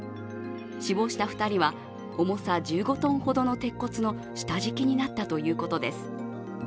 死亡した２人は重さ１５ｔほどの鉄骨の下敷きになったということです。